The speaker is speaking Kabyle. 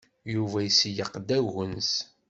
Yuba iseyyeq-d agens.